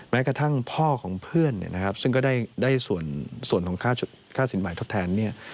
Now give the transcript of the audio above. แม้กระทั่งพ่อของเพื่อนนะครับซึ่งก็ได้ส่วนข้าศิลป์ใหม่ทอดแทนเนี่ย